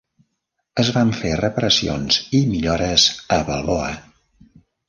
Es van fer reparacions i millores a Balboa.